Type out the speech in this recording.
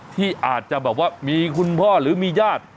ที่อาจจะแบบว่ามีคุณพ่อหรือมีญาติ